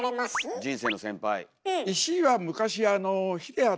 人生の先輩。